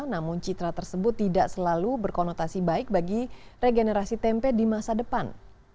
namun citra tersebut tidak selalu berkonotasi baik bagi regenerasi tempe di masa depan